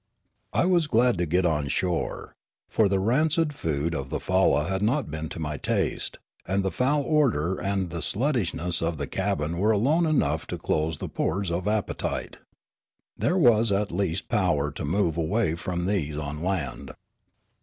I was glad to get on shore; for the rancid food of the falla had not been to my taste, and the foul odour and sluttishness of the cabin were alone enough to close the pores of appetite. There was at least power to move away from these on land.